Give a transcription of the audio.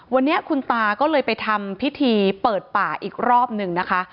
วันนี้คุณตาก็เลยไปทำพิธีเปิดป่าอีกรอบหนึ่งนะคะ